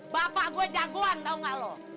bapak gue jagoan tahu gak lo